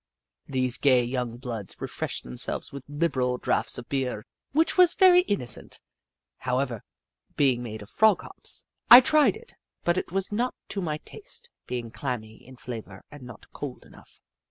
These gay young bloods refreshed themselves with liberal draughts of beer, which was very innocent, however, being made of Frog hops. I tried it, but it was not to my taste, being clammy in flavour and not cold enough.